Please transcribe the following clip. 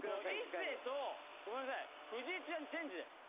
一世とごめんなさい藤井ちゃんチェンジで。